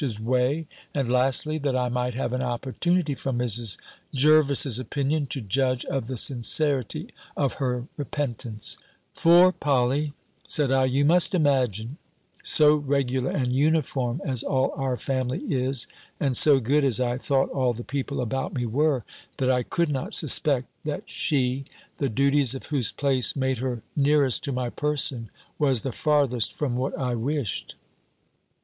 's way; and lastly that I might have an opportunity, from Mrs. Jervis's opinion, to judge of the sincerity of her repentance: "For, Polly," said I, "you must imagine, so regular and uniform as all our family is, and so good as I thought all the people about me were, that I could not suspect, that she, the duties of whose place made her nearest to my person, was the farthest from what I wished."